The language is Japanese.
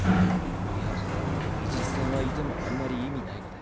いや伊地知さんはいてもあんまり意味ないので。